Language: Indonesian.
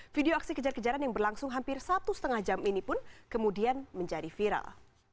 video aksi kejar kejaran yang berlangsung hampir satu setengah jam ini pun kemudian menjadi viral